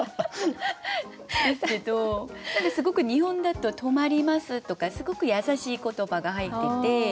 ですけどすごく日本だと「とまります」とかすごく優しい言葉が入ってて。